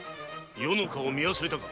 余の顔を見忘れたか？